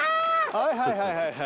はいはいはいはい。